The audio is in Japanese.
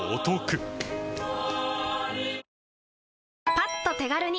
パッと手軽に！